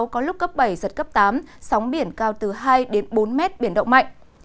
có lúc cấp bảy giật cấp tám sóng biển cao từ hai đến bốn mét biển động mạnh